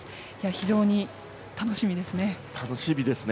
非常に楽しみですね。